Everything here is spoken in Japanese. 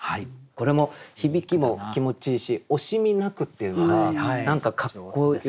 これも響きも気持ちいいし「惜しみなく」っていうのが何かかっこよくって。